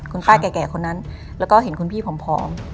คุณป้าแก่คนนั้นแล้วก็เห็นคุณพี่ผอม